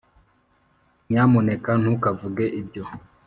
nyamuneka ntukavuge ibyo.